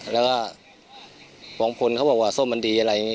แล้วก็บางคนเขาบอกว่าส้มมันดีอะไรอย่างนี้